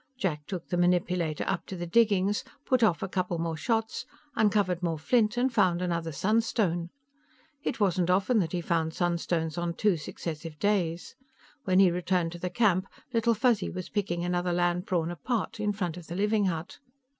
Jack took the manipulator up to the diggings, put off a couple more shots, uncovered more flint and found another sunstone. It wasn't often that he found stones on two successive days. When he returned to the camp, Little Fuzzy was picking another land prawn apart in front of the living hut.